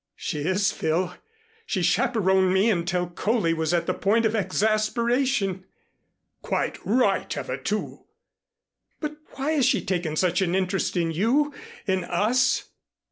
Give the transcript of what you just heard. "She is, Phil. She chaperoned me until Coley was at the point of exasperation." "Quite right of her, too." "But why has she taken such an interest in you in us?"